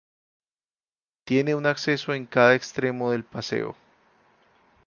Tiene un acceso en cada extremo del paseo.